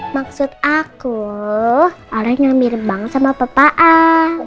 maksud aku orang yang mirip banget sama papa al